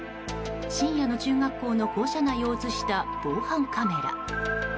深夜の中学校の校舎内を映した防犯カメラ。